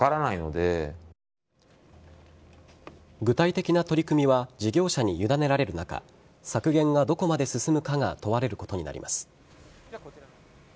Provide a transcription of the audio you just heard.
具体的な取り組みは事業者に委ねられる中削減がどこまで進むかが問われることになります。